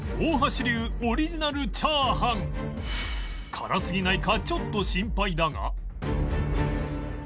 辛すぎないかちょっと心配だが